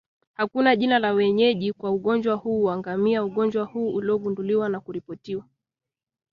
Hakuna jina la wenyeji kwa ugonjwa huu wa ngamia Ugonjwa huu uligunduliwa na kuripotiwa